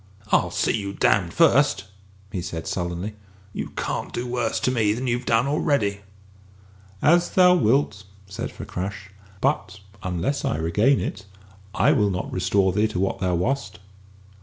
"I'll see you damned first," he said sullenly. "You can't do worse to me than you've done already!" "As thou wilt," said Fakrash; "but unless I regain it, I will not restore thee to what thou wast."